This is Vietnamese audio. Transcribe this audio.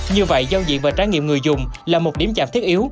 như vậy giao diện và trải nghiệm người dùng là một điểm chạm thiết yếu